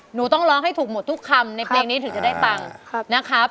หนูต้องร้องให้ถูกหมดทุกคำในเพลงนี้ถึงจะได้ตังค์นะครับ